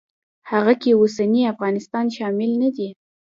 هغه کې اوسنی افغانستان شامل نه دی.